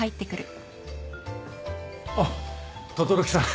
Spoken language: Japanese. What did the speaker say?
あっ轟さん。